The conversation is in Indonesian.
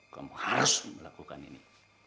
kamu harus melakukan ini